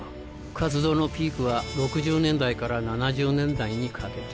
活動のピークは６０年代から７０年代にかけて。